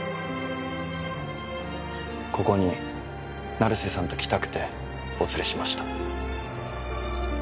ここに成瀬さんと来たくてお連れしました